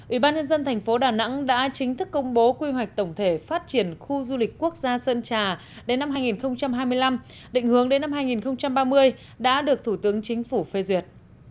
ủy ban nhân dân thành phố đà nẵng đã chính thức công bố quy hoạch tổng thể phát triển khu du lịch quốc gia sơn trà đến năm hai nghìn hai mươi năm định hướng đến năm hai nghìn ba mươi đã được thủ tướng chính phủ phê duyệt